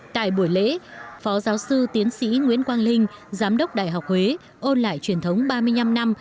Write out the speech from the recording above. tại buổi lễ phó giáo sư tiến sĩ nguyễn quang linh giám đốc đại học huế ôn lại truyền thống ba mươi năm năm